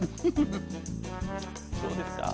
どうですか？